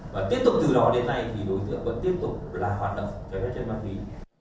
và tiếp tục từ đó đến nay thì đối tượng vẫn tiếp tục hoạt động trái phép trên bàn tùy